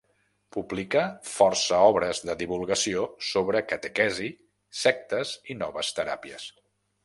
Publicà força obres de divulgació sobre catequesi, sectes i noves teràpies.